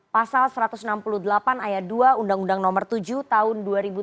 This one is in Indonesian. pasal satu ratus enam puluh delapan ayat dua undang undang nomor tujuh tahun dua ribu tujuh belas